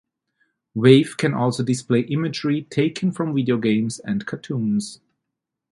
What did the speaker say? Wave can also display imagery taken from video games and cartoons.